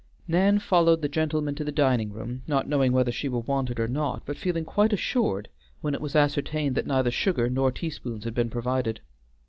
Nan followed the gentlemen to the dining room not knowing whether she were wanted or not, but feeling quite assured when it was ascertained that neither sugar nor teaspoons had been provided.